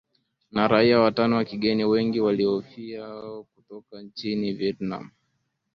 na raia watano wa kigeni wengi wanaohofia kutoka nchini vietnam